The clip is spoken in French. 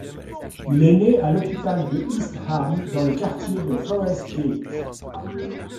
Il est né à l'hôpital de East Ham, dans le quartier de Forest Gate.